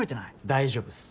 大丈夫っす！